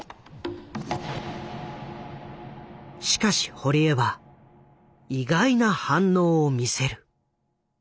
しかし堀江は意外な反応を見せる。